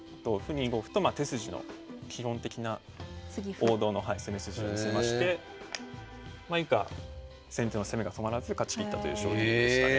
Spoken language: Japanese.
２五歩と手筋の基本的な王道の攻め筋を見せまして以下先手の攻めが止まらず勝ちきったという将棋でしたね。